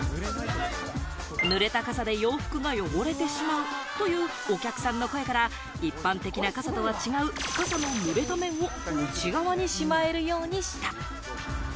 ぬれた傘で洋服が汚れてしまうというお客さんの声から一般的な傘とは違う傘のぬれた面を内側にしまえるようにした。